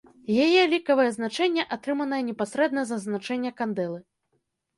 Яе лікавае значэнне атрыманае непасрэдна з азначэння кандэлы.